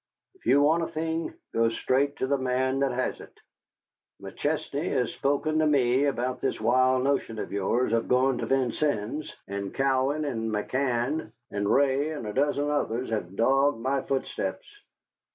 "If you want a thing, go straight to the man that has it. McChesney has spoken to me about this wild notion of yours of going to Vincennes, and Cowan and McCann and Ray and a dozen others have dogged my footsteps."